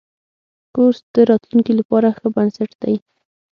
کورس د راتلونکي لپاره ښه بنسټ دی.